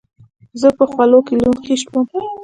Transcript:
زه په خولو کښې لوند خيشت وم.